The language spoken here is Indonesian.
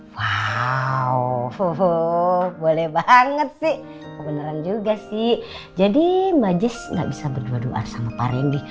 wow boleh banget sih kebeneran juga sih jadi mbak jess gak bisa berdua dua sama pak rendy